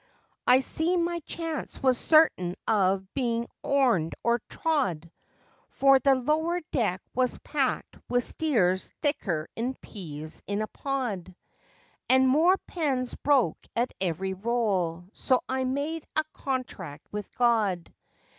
I see my chance was certain of bein' horned or trod, For the lower deck was packed with steers thicker 'n peas in a pod, An' more pens broke at every roll so I made a Contract with God.